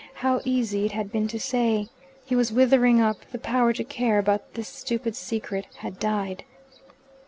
How easy it had been to say! He was withering up: the power to care about this stupid secret had died.